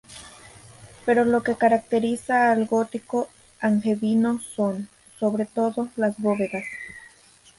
Pero lo que caracteriza al gótico angevino son, sobre todo, las bóvedas.